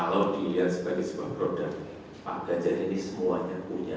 kalau dilihat sebagai sebuah produk pak ganjar ini semuanya punya